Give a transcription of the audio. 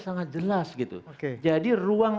sangat jelas gitu oke jadi ruang